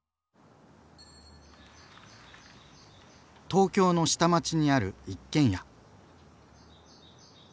東京の下町にある一軒家。